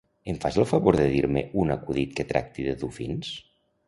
Em fas el favor de dir-me un acudit que tracti de dofins?